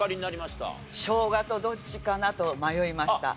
しょうがとどっちかなと迷いました。